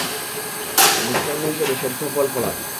আর মিষ্টান্ন হিসেবে সেদ্ধ ফল-ফলাদি।